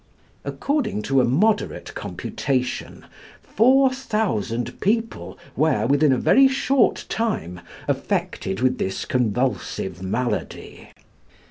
According to a moderate computation, 4,000 people were, within a very short time, affected with this convulsive malady.